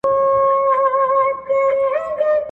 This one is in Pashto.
نر مي بولې، چي کال ته تر سږ کال بې غيرته يم.